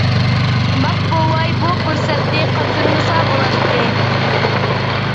ماك بوۋاي بۇ پۇرسەتنى قاچۇرمىسا بۇلاتتى.